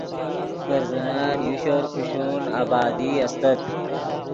برزنن یو شور کوشون آبادی استت